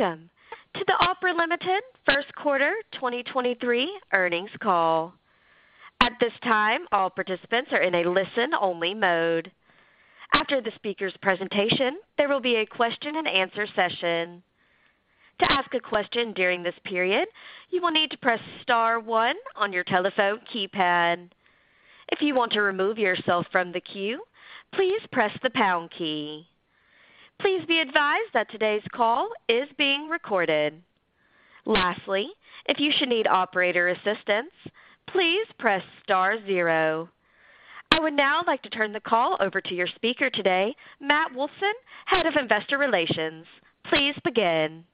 Welcome to the Opera Limited First Quarter 2023 earnings call. At this time, all participants are in a listen-only mode. After the speaker's presentation, there will be a question-and-answer session. To ask a question during this period, you will need to press star one on your telephone keypad. If you want to remove yourself from the queue, please press the pound key. Please be advised that today's call is being recorded. Lastly, if you should need operator assistance, please press star zero. I would now like to turn the call over to your speaker today, Matt Wolfson, Head of Investor Relations. Please begin.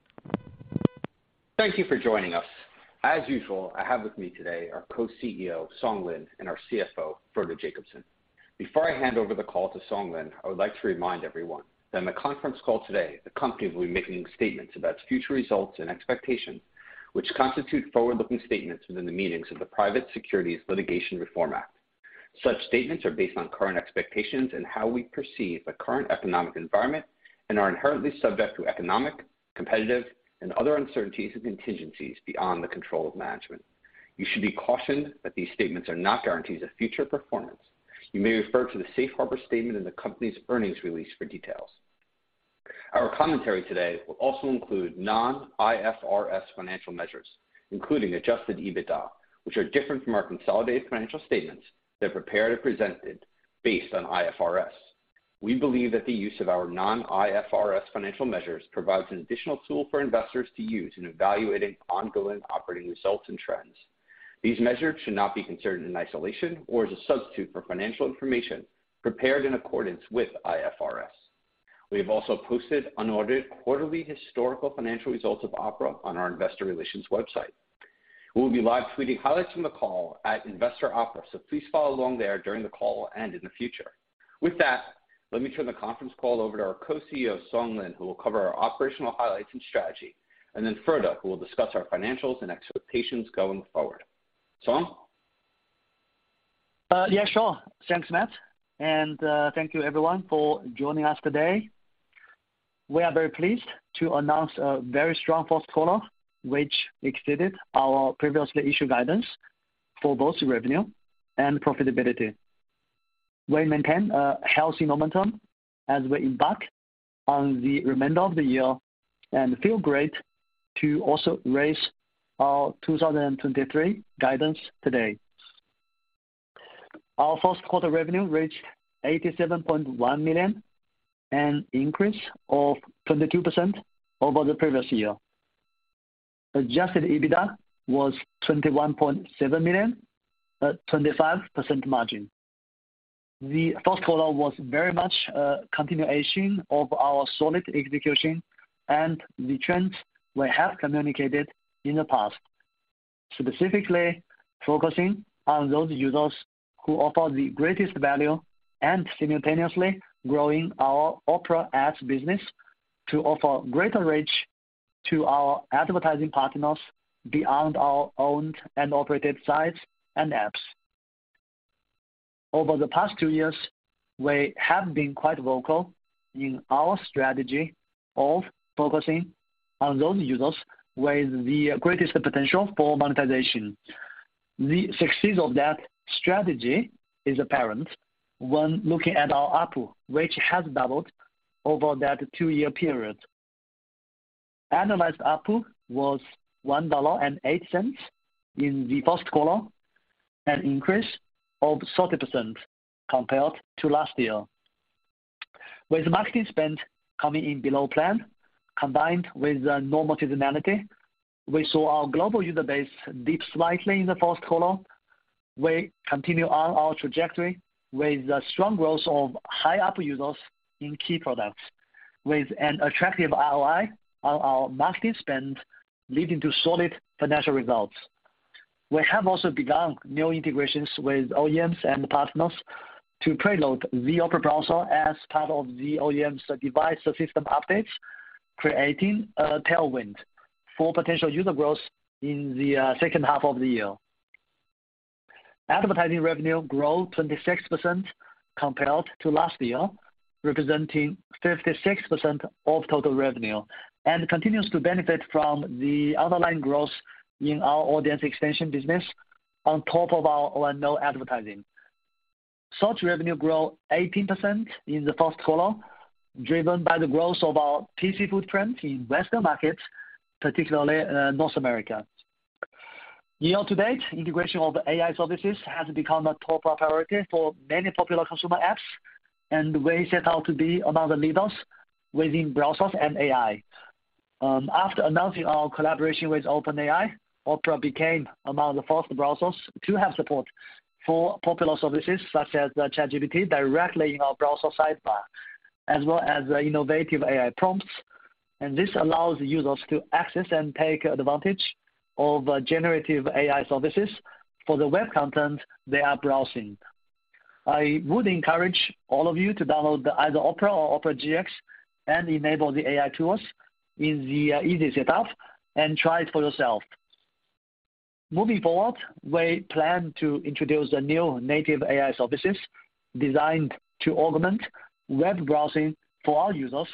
Thank you for joining us. As usual, I have with me today our Co-CEO, Song Lin, and our CFO, Frode Jacobsen. Before I hand over the call to Song Lin, I would like to remind everyone that in the conference call today, the company will be making statements about future results and expectations, which constitute forward-looking statements within the meanings of the Private Securities Litigation Reform Act. Such statements are based on current expectations and how we perceive the current economic environment and are inherently subject to economic, competitive, and other uncertainties and contingencies beyond the control of management. You should be cautioned that these statements are not guarantees of future performance. You may refer to the safe harbor statement in the company's earnings release for details. Our commentary today will also include non-IFRS financial measures, including adjusted EBITDA, which are different from our consolidated financial statements that prepare to present it based on IFRS. We believe that the use of our non-IFRS financial measures provides an additional tool for investors to use in evaluating ongoing operating results and trends. These measures should not be considered in isolation or as a substitute for financial information prepared in accordance with IFRS. We have also posted unaudited quarterly historical financial results of Opera on our investor relations website. We will be live tweeting highlights from the call at Investor Opera. Please follow along there during the call and in the future. With that, let me turn the conference call over to our Co-CEO, Song Lin, who will cover our operational highlights and strategy. Frode, who will discuss our financials and expectations going forward. Song? Yeah, sure. Thanks, Matt. Thank you everyone for joining us today. We are very pleased to announce a very strong first quarter, which exceeded our previously issued guidance for both revenue and profitability. We maintain a healthy momentum as we embark on the remainder of the year and feel great to also raise our 2023 guidance today. Our first quarter revenue reached $87.1 million, an increase of 22% over the previous year. adjusted EBITDA was $21.7 million at 25% margin. The first quarter was very much a continuation of our solid execution and the trends we have communicated in the past. Specifically focusing on those users who offer the greatest value and simultaneously growing our Opera Ads business to offer greater reach to our advertising partners beyond our owned and operated sites and apps. Over the past two years, we have been quite vocal in our strategy of focusing on those users with the greatest potential for monetization. The success of that strategy is apparent when looking at our ARPU, which has doubled over that two-year period. Analyzed ARPU was $1.08 in the first quarter, an increase of 30% compared to last year. With marketing spend coming in below plan, combined with the normal seasonality, we saw our global user base dip slightly in the first quarter. We continue on our trajectory with the strong growth of high ARPU users in key products, with an attractive ROI on our marketing spend leading to solid financial results. We have also begun new integrations with OEMs and partners to preload the Opera browser as part of the OEM's device system updates, creating a tailwind for potential user growth in the second half of the year. Advertising revenue grew 26% compared to last year, representing 56% of total revenue, continues to benefit from the underlying growth in our audience extension business on top of our O&O advertising. Search revenue grew 18% in the first quarter, driven by the growth of our PC footprint in Western markets, particularly North America. Year to date, integration of AI services has become a top priority for many popular consumer apps, we set out to be among the leaders within browsers and AI. After announcing our collaboration with OpenAI, Opera became among the first browsers to have support for popular services such as ChatGPT directly in our browser sidebar, as well as innovative AI prompts. This allows users to access and take advantage of generative AI services for the web content they are browsing. I would encourage all of you to download either Opera or Opera GX and enable the AI tools in the easy setup and try it for yourself. Moving forward, we plan to introduce the new native AI services designed to augment web browsing for our users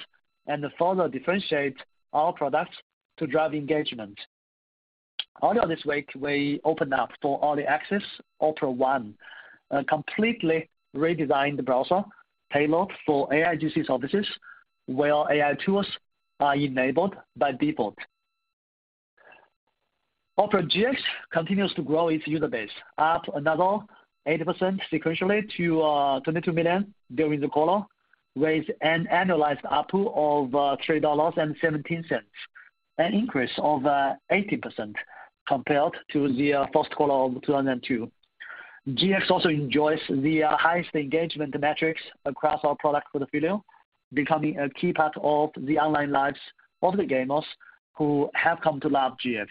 and further differentiate our products to drive engagement. Earlier this week, we opened up for early access Opera One, a completely redesigned browser tailored for AI-assisted services, where AI tools are enabled by default. Opera GX continues to grow its user base, up another 80% sequentially to 22 million during the quarter, with an annualized ARPU of $3.17, an increase of 80% compared to the first quarter of 2002. GX also enjoys the highest engagement metrics across our product portfolio, becoming a key part of the online lives of the gamers who have come to love GX.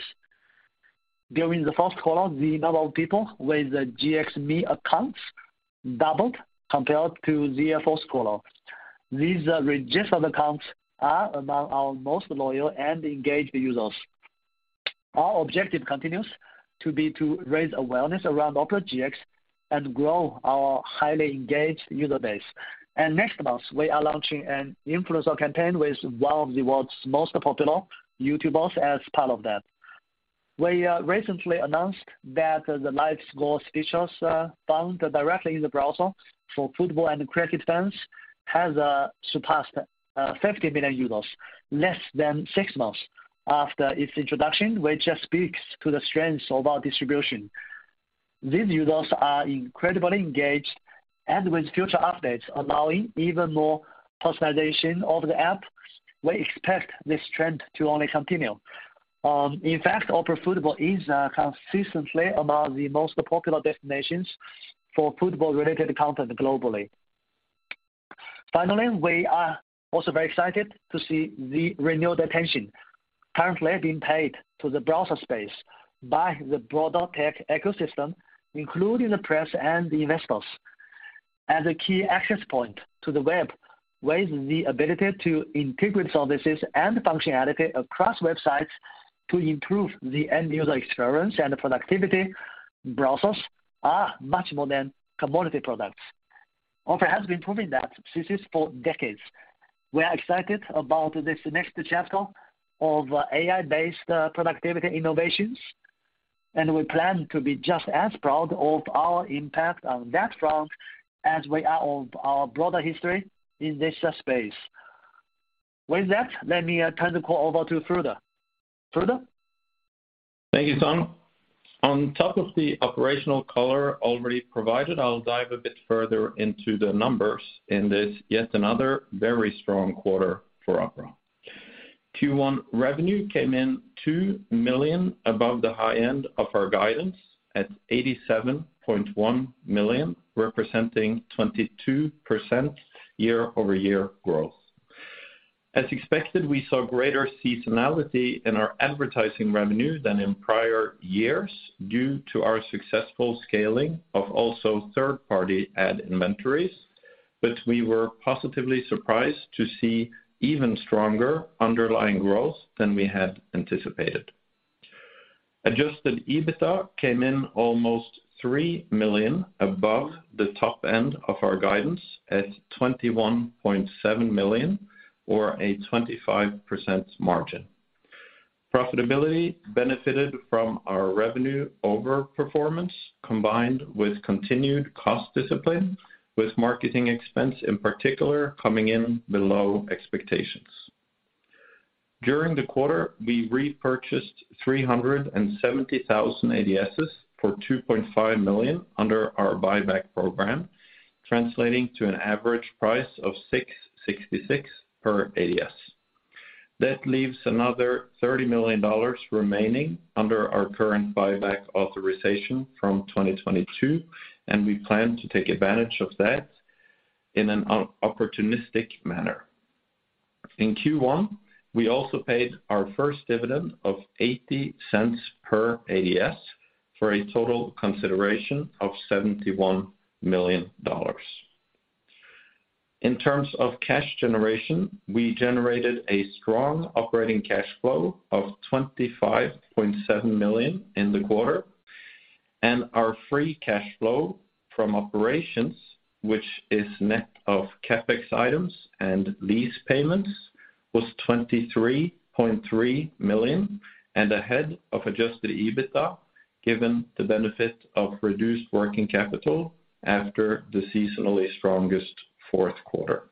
During the first quarter, the number of people with GX.me accounts doubled compared to the first quarter. These registered accounts are among our most loyal and engaged users. Our objective continues to be to raise awareness around Opera GX and grow our highly engaged user base. Next month, we are launching an influencer campaign with one of the world's most popular YouTubers as part of that. We recently announced that the live score features found directly in the browser for football and cricket fans, has surpassed 50 million users less than six months after its introduction, which speaks to the strength of our distribution. These users are incredibly engaged. With future updates allowing even more personalization of the app, we expect this trend to only continue. In fact, Opera Football is consistently among the most popular destinations for football-related content globally. Finally, we are also very excited to see the renewed attention currently being paid to the browser space by the broader tech ecosystem, including the press and the investors. As a key access point to the web with the ability to integrate services and functionality across websites to improve the end user experience and productivity, browsers are much more than commodity products. Opera has been proving that since for decades. We are excited about this next chapter of AI-based, productivity innovations, and we plan to be just as proud of our impact on that front as we are of our broader history in this, space. With that, let me, turn the call over to Frode. Frode? Thank you, Song. On top of the operational color already provided, I'll dive a bit further into the numbers in this yet another very strong quarter for Opera. Q1 revenue came in $2 million above the high end of our guidance at $87.1 million, representing 22% year-over-year growth. As expected, we saw greater seasonality in our advertising revenue than in prior years due to our successful scaling of also third-party ad inventories. We were positively surprised to see even stronger underlying growth than we had anticipated. adjusted EBITDA came in almost $3 million above the top end of our guidance at $21.7 million or a 25% margin. Profitability benefited from our revenue overperformance, combined with continued cost discipline, with marketing expense in particular coming in below expectations. During the quarter, we repurchased 370,000 ADSs for $2.5 million under our buyback program, translating to an average price of $6.66 per ADS. That leaves another $30 million remaining under our current buyback authorization from 2022. We plan to take advantage of that in an opportunistic manner. In Q1, we also paid our first dividend of $0.80 per ADS for a total consideration of $71 million. In terms of cash generation, we generated a strong operating cash flow of $25.7 million in the quarter. Our free cash flow from operations, which is net of CapEx items and lease payments, was $23.3 million, ahead of adjusted EBITDA, given the benefit of reduced working capital after the seasonally strongest fourth quarter.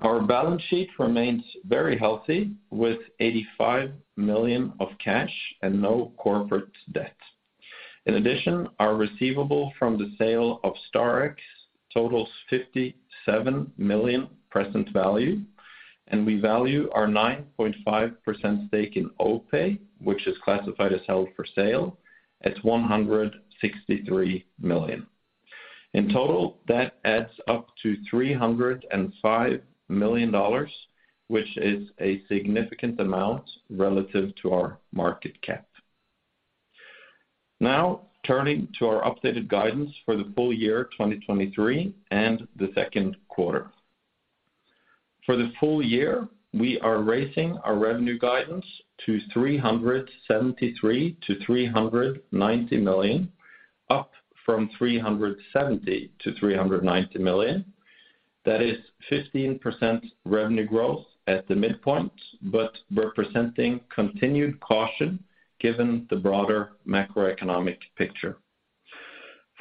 Our balance sheet remains very healthy, with $85 million of cash and no corporate debt. Our receivable from the sale of Star X totals $57 million present value, and we value our 9.5% stake in OPay, which is classified as held for sale, at $163 million. That adds up to $305 million, which is a significant amount relative to our market cap. Turning to our updated guidance for the full year 2023 and the second quarter. For the full year, we are raising our revenue guidance to $373 million-$390 million, up from $370 million-$390 million. That is 15% revenue growth at the midpoint, representing continued caution given the broader macroeconomic picture.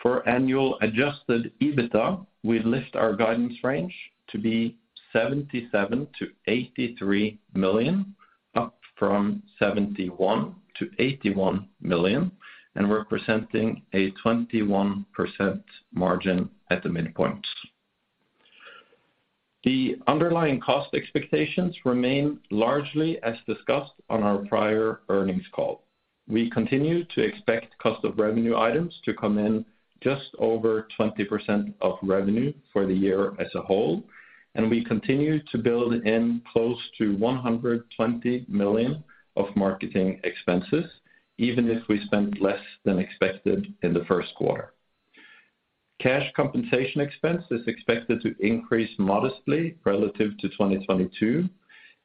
For annual adjusted EBITDA, we lift our guidance range to be $77 million-$83 million, up from $71 million-$81 million, and representing a 21% margin at the midpoint. The underlying cost expectations remain largely as discussed on our prior earnings call. We continue to expect cost of revenue items to come in just over 20% of revenue for the year as a whole, and we continue to build in close to $120 million of marketing expenses, even if we spend less than expected in the first quarter. Cash compensation expense is expected to increase modestly relative to 2022,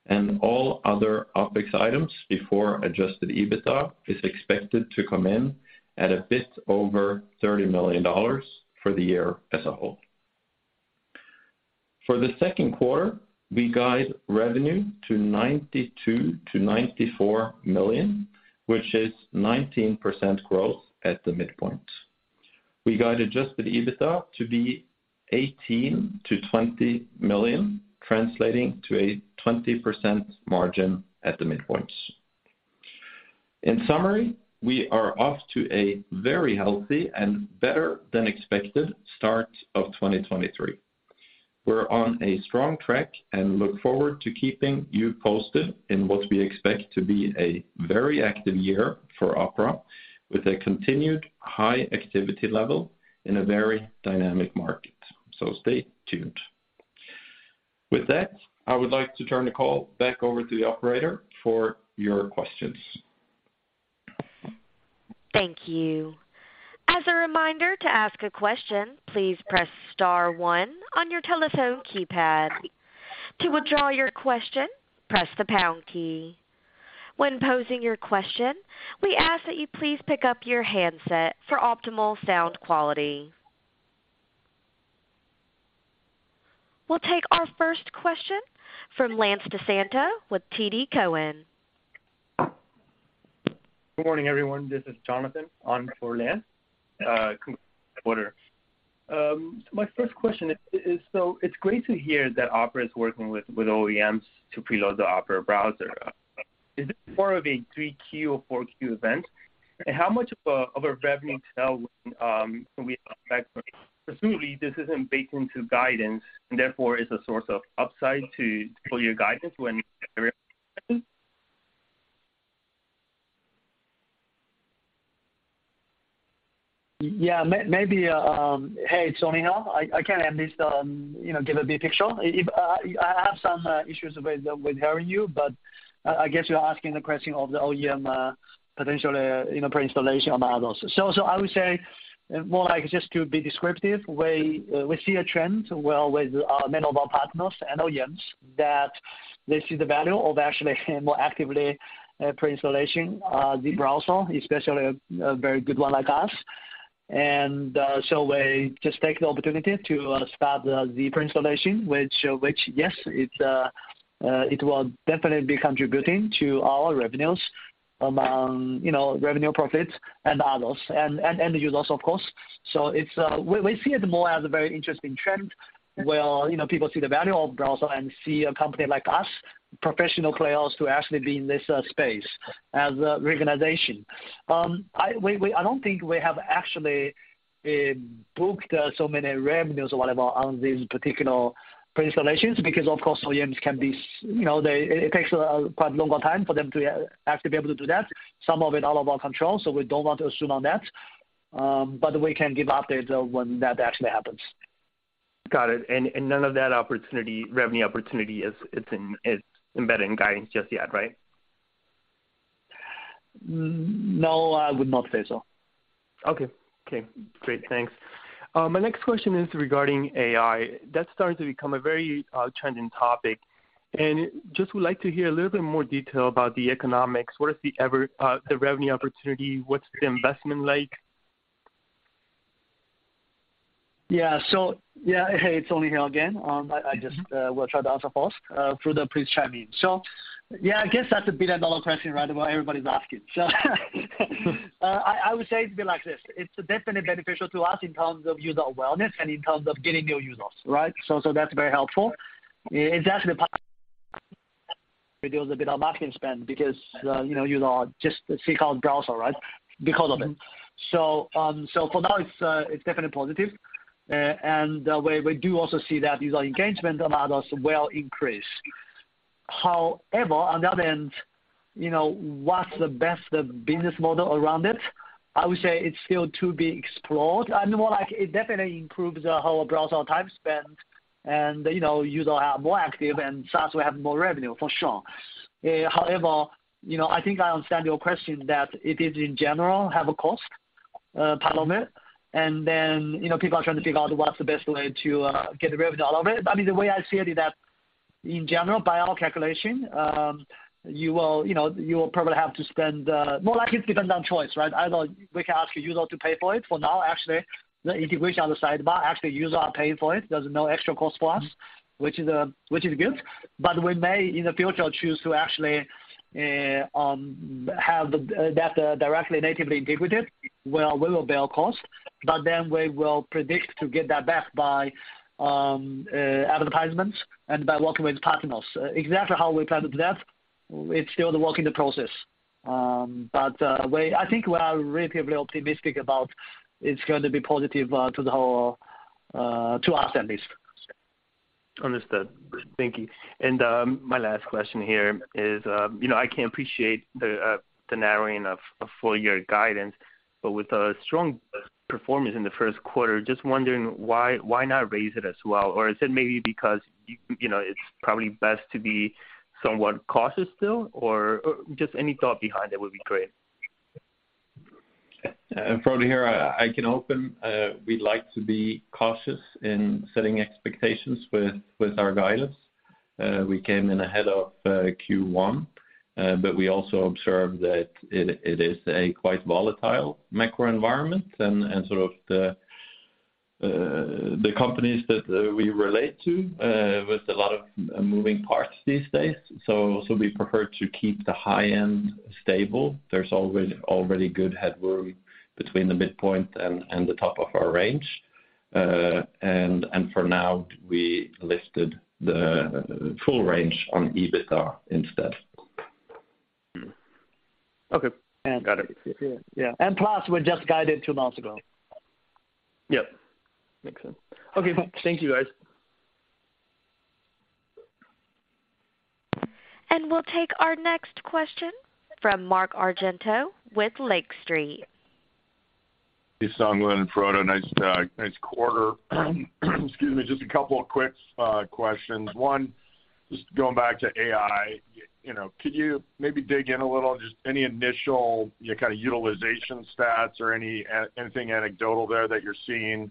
and all other OpEx items before adjusted EBITDA is expected to come in at a bit over $30 million for the year as a whole. For the second quarter, we guide revenue to $92 million-$94 million, which is 19% growth at the midpoint. We guide adjusted EBITDA to be $18 million-$20 million, translating to a 20% margin at the midpoint. In summary, we are off to a very healthy and better than expected start of 2023. We're on a strong track and look forward to keeping you posted in what we expect to be a very active year for Opera with a continued high activity level in a very dynamic market. Stay tuned. With that, I would like to turn the call back over to the operator for your questions. Thank you. As a reminder to ask a question, please press star one on your telephone keypad. To withdraw your question, press the pound key. When posing your question, we ask that you please pick up your handset for optimal sound quality. We'll take our first question from Lance Vitanza with TD Cowen. Good morning, everyone. This is Jonathan on for Lance, reporter. My first question. It's great to hear that Opera is working with OEMs to preload the Opera browser. Is it more of a 3-Q or 4-Q event? How much of a revenue cell can we expect? Presumably, this isn't baked into guidance and therefore is a source of upside for your guidance when. Yeah. Maybe, Hey, it's Song here. I can at least, you know, give a big picture. I have some issues with hearing you, but I guess you're asking the question of the OEM, potentially, you know, pre-installation on the others. I would say more like just to be descriptive, we see a trend well with many of our partners and OEMs that they see the value of actually more actively pre-installation, the browser, especially a very good one like us. We just take the opportunity to start the pre-installation, which, yes, it will definitely be contributing to our revenues, you know, revenue profits and others, and users, of course. It's. We see it more as a very interesting trend where, you know, people see the value of browser and see a company like us, professional players to actually be in this space as a reorganization. I don't think we have actually booked so many revenues or whatever on these particular pre-installations because, of course, OEMs can be, you know, it takes a quite longer time for them to actually be able to do that, some of it out of our control, so we don't want to assume on that. We can give updates when that actually happens. Got it. None of that opportunity, revenue opportunity is embedded in guidance just yet, right? No, I would not say so. Okay. Okay, great. Thanks. My next question is regarding AI. That's starting to become a very trending topic. Just would like to hear a little bit more detail about the economics. What is the revenue opportunity? What's the investment like? Hey, it's Song here again. I just will try to answer first through the pre-chat means. I guess that's a billion-dollar question, right, everybody's asking. I would say it'd be like this. It's definitely beneficial to us in terms of user awareness and in terms of getting new users, right? That's very helpful. It's actually reduce a bit our marketing spend because, you know, user just seek out browser, right? Because of it. For now it's definitely positive. We do also see that user engagement among us will increase. However, on the other end, you know, what's the best business model around it? I would say it's still to be explored and more like it definitely improves the whole browser time spent and, you know, user are more active and thus we have more revenue for sure. However, you know, I think I understand your question that it is in general have a cost, part of it. Then, you know, people are trying to figure out what's the best way to get rid of all of it. I mean, the way I see it is that in general, by our calculation, you will, you know, you will probably have to spend, more like it depends on choice, right? Either we can ask a user to pay for it. For now, actually, the integration on the sidebar, user are paying for it. There's no extra cost for us, which is good. We may, in the future, choose to actually have that directly natively integrated, where we will bear cost, but then we will predict to get that back by advertisements and by working with partners. Exactly how we plan to do that, it's still a work in process. I think we are relatively optimistic about it's going to be positive, to the whole, to us, at least. Understood. Thank you. My last question here is, you know, I can appreciate the narrowing of full year guidance, but with a strong performance in the first quarter, just wondering why not raise it as well? Is it maybe because you know, it's probably best to be somewhat cautious still or just any thought behind it would be great? Frode here. I can open. We'd like to be cautious in setting expectations with our guidance. We came in ahead of Q1. We also observed that it is a quite volatile macro environment and sort of the companies that we relate to with a lot of moving parts these days. We prefer to keep the high end stable. There's always already good headroom between the midpoint and the top of our range. For now we listed the full range on EBITDA instead. Okay. Got it. Yeah. plus, we just guided 2 months ago. Yep. Makes sense. Okay. Thank you, guys. We'll take our next question from Mark Argento with Lake Street. Hey, Lin Song and Frode. Nice, nice quarter. Excuse me. Just a couple of quick questions. One, just going back to AI, you know, could you maybe dig in a little, just any initial, you know, kind of utilization stats or anything anecdotal there that you're seeing, you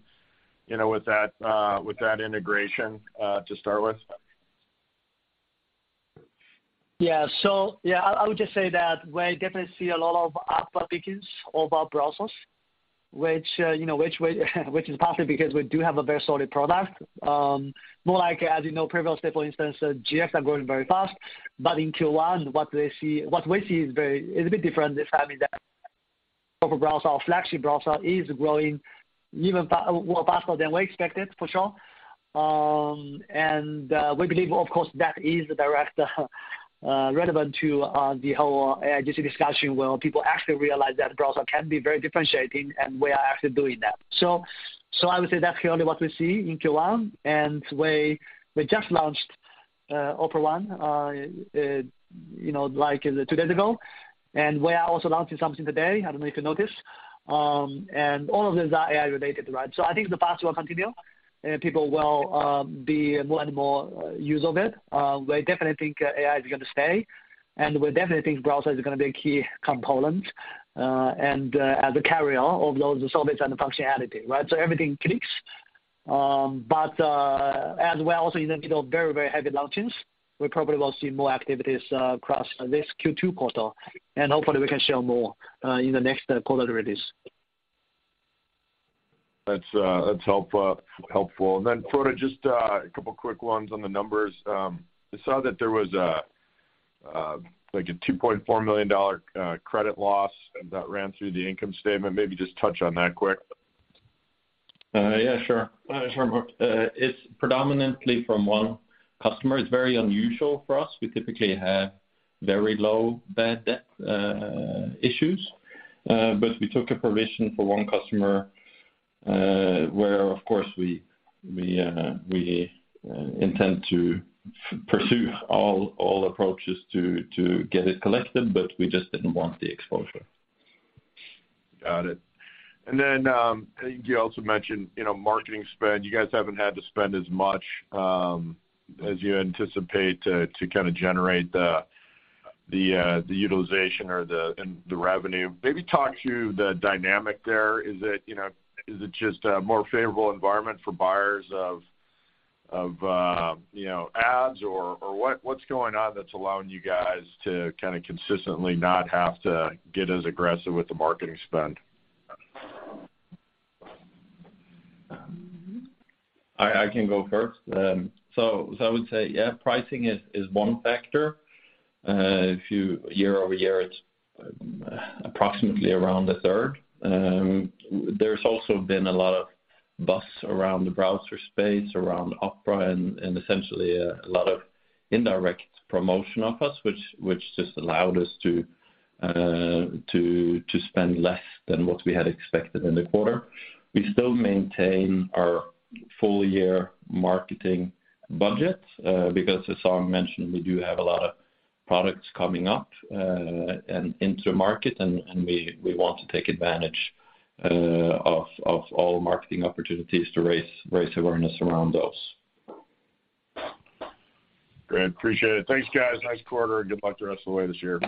know, with that, with that integration, to start with? Yeah. Yeah, I would just say that we definitely see a lot of uptickings of our browsers, which, you know, which is partly because we do have a very solid product. More like as you know, previously, for instance, GX are growing very fast. In Q1, what we see is a bit different this time in that Opera Browser, our flagship browser is growing even more faster than we expected, for sure. We believe of course that is direct relevant to the whole AI discussion where people actually realize that browser can be very differentiating and we are actually doing that. I would say that's clearly what we see in Q1, and we just launched Opera One, you know, like two days ago. We are also launching something today, I don't know if you noticed. All of those are AI related, right? I think the path will continue, and people will be more and more use of it. We definitely think AI is gonna stay, and we definitely think browser is gonna be a key component and as a carrier of those services and functionality, right? Everything clicks. We're also in the middle of very, very heavy launches. We probably will see more activities across this Q2 quarter, and hopefully we can share more in the next quarter release. That's helpful. Then Frode, just a couple quick ones on the numbers. I saw that there was a like a $2.4 million credit loss that ran through the income statement. Maybe just touch on that quick. Yeah, sure. Sure, Mark. It's predominantly from one customer. It's very unusual for us. We typically have very low bad debt issues. We took a provision for one customer, where of course we intend to pursue all approaches to get it collected, but we just didn't want the exposure. Got it. I think you also mentioned, you know, marketing spend. You guys haven't had to spend as much as you anticipate to kind of generate the utilization or the revenue. Maybe talk to the dynamic there. Is it, you know, is it just a more favorable environment for buyers of, you know, ads or what's going on that's allowing you guys to kind of consistently not have to get as aggressive with the marketing spend? I can go first. I would say, yeah, pricing is one factor. If you year-over-year, it's approximately around a third. There's also been a lot of buzz around the browser space, around Opera and essentially a lot of indirect promotion of us which just allowed us to spend less than what we had expected in the quarter. We still maintain our full year marketing budget, because as Song mentioned, we do have a lot of products coming up and into market and we want to take advantage of all marketing opportunities to raise awareness around those. Great. Appreciate it. Thanks, guys. Nice quarter and good luck the rest of the way this year.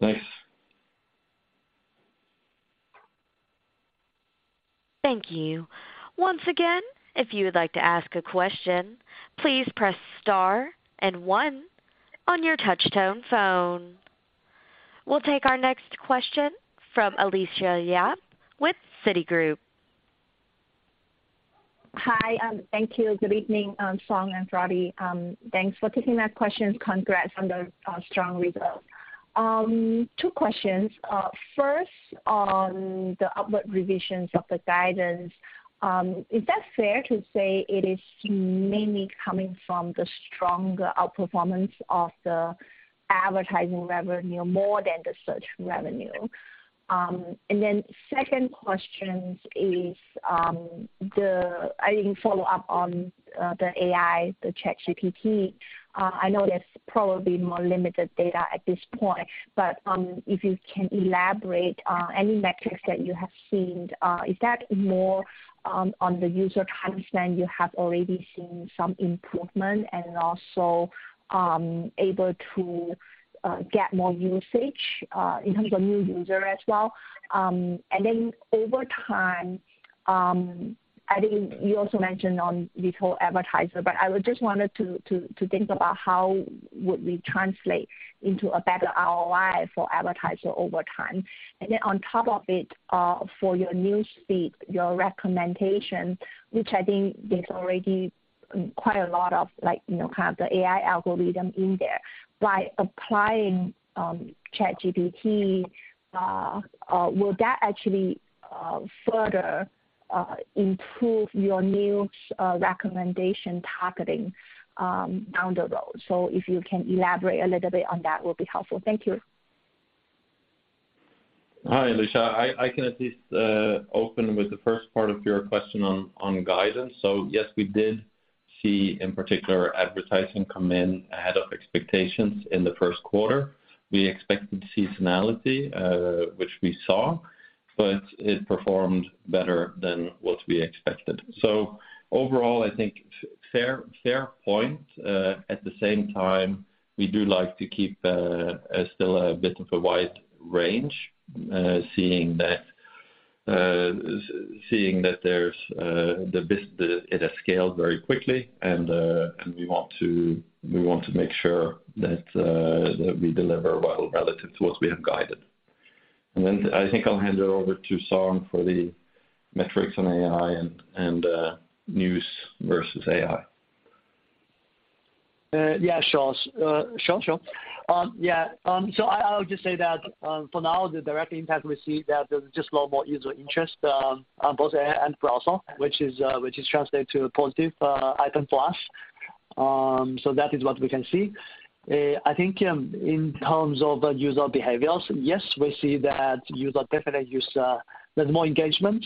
Thanks. Thank you. Once again, if you would like to ask a question, please press star and one on your touch tone phone. We'll take our next question from Alicia Yap with Citigroup. Hi, thank you. Good evening, Song and Frode. Thanks for taking my questions. Congrats on the strong results. Two questions. First on the upward revisions of the guidance. Is that fair to say it is mainly coming from the stronger outperformance of the advertising revenue more than the search revenue? Second question is, I think follow-up on the AI, the ChatGPT. I know there's probably more limited data at this point, but if you can elaborate on any metrics that you have seen. Is that more on the user trends then you have already seen some improvement and also able to get more usage in terms of new user as well? Over time, I think you also mentioned on retail advertiser. I would just wanted to think about how would we translate into a better ROI for advertiser over time. On top of it, for your newsfeed, your recommendation, which I think there's already quite a lot of, like, you know, kind of the AI algorithm in there. By applying ChatGPT, will that actually further improve your news recommendation targeting down the road? If you can elaborate a little bit on that will be helpful. Thank you. Hi, Alicia. I can at least open with the first part of your question on guidance. Yes, we did see in particular advertising come in ahead of expectations in the first quarter. We expected seasonality, which we saw, but it performed better than what we expected. Overall, I think fair point. At the same time, we do like to keep still a bit of a wide range, seeing that there's it has scaled very quickly and we want to make sure that we deliver well relative to what we have guided. Then I think I'll hand it over to Song for the metrics on AI and news versus AI. Yeah, sure. Sure, sure. Yeah. I'll just say that, for now the direct impact we see that there's just a lot more user interest, on both AI and browser, which is translated to a positive item for us. That is what we can see. I think, in terms of user behaviors, yes, we see that user definitely use... There's more engagement,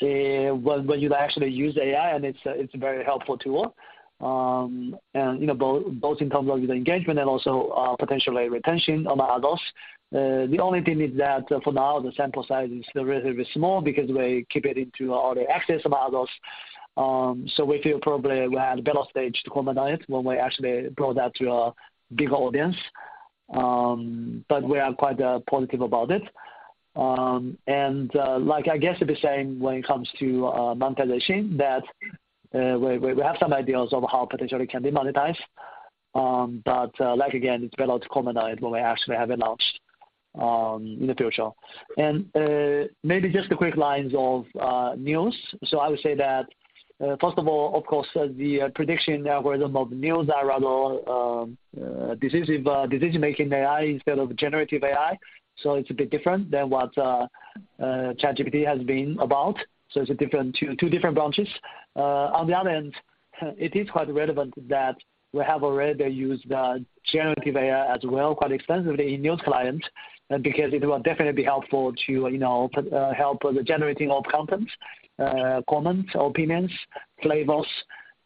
when you actually use AI and it's a very helpful tool. You know, both in terms of user engagement and also, potentially retention among others. The only thing is that for now the sample size is still relatively small because we keep it into early access among others. We feel probably we are at a better stage to comment on it when we actually brought that to a bigger audience. We are quite positive about it. Like I guess it's the same when it comes to monetization that we have some ideas of how potentially can be monetized. Like, again, it's better to comment on it when we actually have announced in the future. Maybe just the quick lines of news. I would say that first of all, of course, the prediction algorithm of news are rather decisive, decision-making AI instead of generative AI. It's a bit different than what ChatGPT has been about. It's two different branches. On the other hand, it is quite relevant that we have already used generative AI as well, quite extensively in news clients, because it will definitely be helpful to, you know, help with generating of content, comments, opinions, flavors,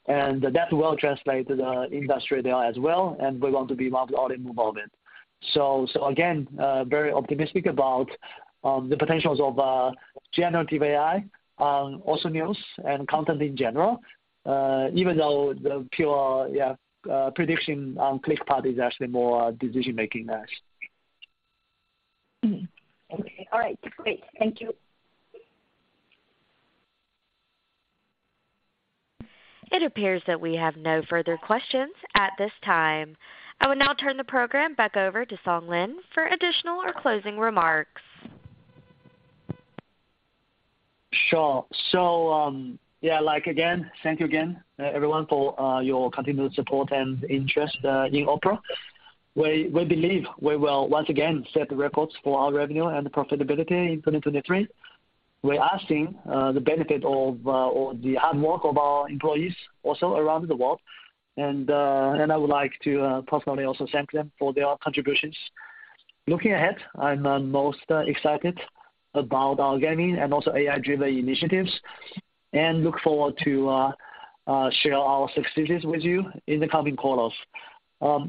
and that will translate to the industry there as well, and we want to be more involved in. Again, very optimistic about the potentials of generative AI on also news and content in general. Even though the pure prediction on click part is actually more decision-making as. Okay. All right. Great. Thank you. It appears that we have no further questions at this time. I will now turn the program back over to Song Lin for additional or closing remarks. Sure. Again, thank you again, everyone, for your continued support and interest in Opera. We believe we will once again set the records for our revenue and profitability in 2023. We are seeing the benefit of the hard work of our employees also around the world and I would like to personally also thank them for their contributions. Looking ahead, I'm most excited about our gaming and also AI-driven initiatives, and look forward to share our successes with you in the coming quarters.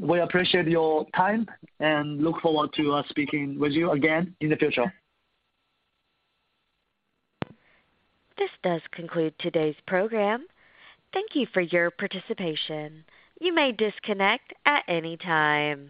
We appreciate your time and look forward to speaking with you again in the future. This does conclude today's program. Thank you for your participation. You may disconnect at any time.